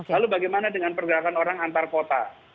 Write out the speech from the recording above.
lalu bagaimana dengan pergerakan orang antar kota